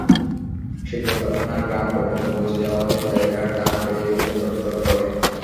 শিল্প-কারখানা গ্রাম পর্যন্ত পৌঁছে যাওয়াতে জায়গার দাম বেড়ে গেছে তরতর করে।